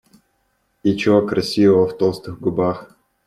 И чего красивого в толстых губах?